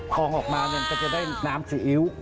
กองออกมาก็จะได้น้ำซีอิ๊ว